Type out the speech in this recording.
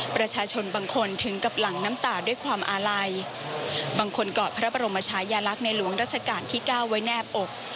ประชาชนบางคนถึงกับหลังน้ำตาด้วยความอาลัยบางคนกอดพระบรมชายาลักษณ์ในหลวงราชการที่เก้าไว้แนบอก